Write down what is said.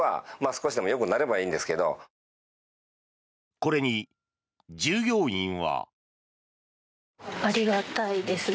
これに従業員は。